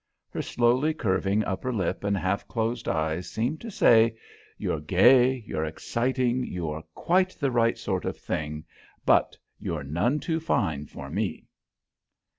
Her slowly curving upper lip and half closed eyes seemed to say: "You're gay, you're exciting, you are quite the right sort of thing; but you're none too fine for me!"